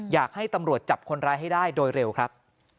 อยากให้ตำรวจจับคนร้ายให้ได้โดยเร็วครับ